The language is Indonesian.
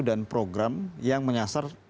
dan program yang menyasar